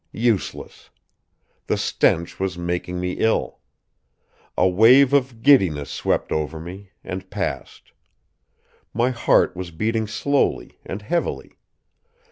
Useless! The stench was making me ill. A wave of giddiness swept over me, and passed. My heart was beating slowly and heavily.